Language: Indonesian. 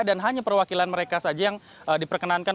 dan hanya perwakilan mereka saja yang diperkenankan